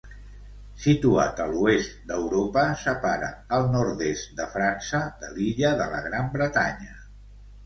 Situat a l'oest d'Europa, separa el nord-est de França de l'illa de la Gran Bretanya.